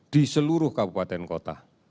di seluruh kabupaten kota